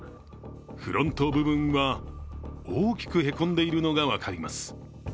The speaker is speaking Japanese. フロント部分は、大きくへこんでいるのが分かります。